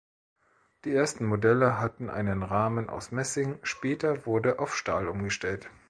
Die ersten Modelle hatten einen Rahmen aus Messing, später wurde auf Stahl umgestellt.